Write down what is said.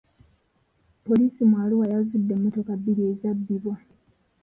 Poliisi mu Arua yazudde emmotoka bbiri ezabbibwa.